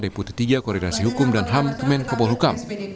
deputi iii koordinasi hukum dan ham kemen kopol hukam